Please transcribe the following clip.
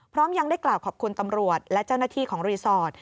พร้อมยังได้กล่าวขอบคุณตำรวจและเจ้าหน้าที่ของรีสอร์ท